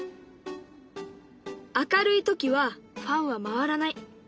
明るい時はファンは回らない。